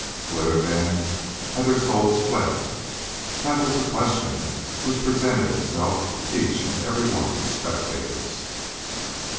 Whither, then, had their souls fled? That was the question which presented itself to each and every one of the spectators.